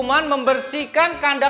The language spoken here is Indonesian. ya ampun teman teman